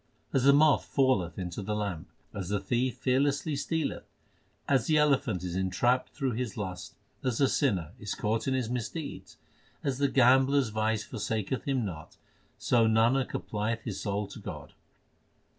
As the moth falleth into the lamp, As the thief fearlessly stealeth, As the elephant is entrapped through his lust, As the sinner is caught in his misdeeds, As the gambler s vice forsaketh him not, So Nanak applieth his soul to God.